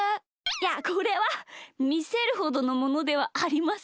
いやこれはみせるほどのものではありません。